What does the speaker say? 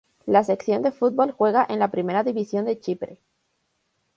La sección de fútbol juega en la Primera División de Chipre.